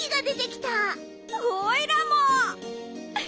おいらも！